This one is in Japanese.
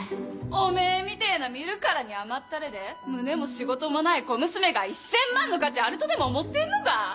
おめぇみてぇな見るからに甘ったれで胸も仕事もない小娘が１０００万の価値あるとでも思ってんのが⁉